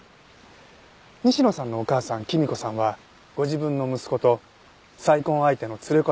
西野さんのお母さんきみ子さんはご自分の息子と再婚相手の連れ子である娘さん